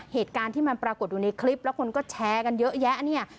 เหตุการณ์ที่มันปรากฏอยู่ในคลิปแล้วคนก็แชร์กันเยอะแยะเนี่ย